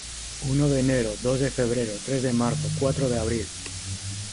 Uno de enero, dos de febrero, tres de marzo, cuatro de abril.